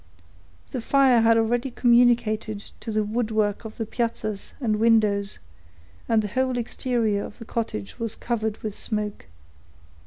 The fire had already communicated to the woodwork of the piazzas and windows, and the whole exterior of the cottage was covered with smoke.